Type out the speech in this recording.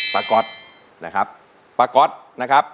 ก๊อตนะครับป้าก๊อตนะครับ